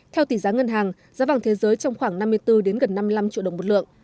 theo tỷ giá ngân hàng giá vàng thế giới trong khoảng năm mươi bốn gần năm mươi năm triệu đồng một lượng